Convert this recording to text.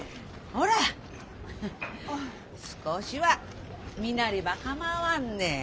ほら少しは身なりばかまわんね。